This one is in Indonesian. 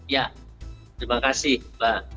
ya terima kasih mbak